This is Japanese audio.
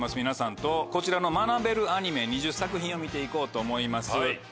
皆さんとこちらの学べるアニメ２０作品を見て行こうと思います。